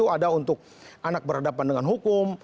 ada untuk anak berhadapan dengan hukum